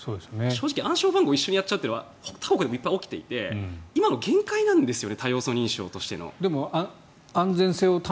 暗証番号を一緒にやっちゃうというのはほかの国でもいっぱい起きていて今の限界なんですよね